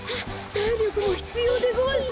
たいりょくもひつようでごわす。